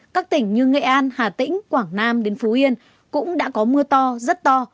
các tỉnh như nghệ an hà tĩnh quảng nam đến phú yên cũng đã có mưa to rất to